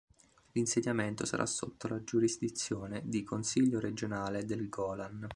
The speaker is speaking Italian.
L'insediamento sarà sotto la giurisdizione di Consiglio regionale del Golan.